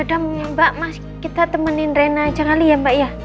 ya udah mbak mas kita temenin rena aja kali ya mbak ya